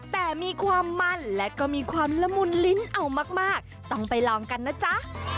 แต่มีความมันและก็มีความละมุนลิ้นเอามากต้องไปลองกันนะจ๊ะ